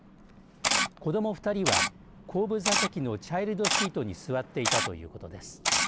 子ども２人は後部座席のチャイルドシートに座っていたということです。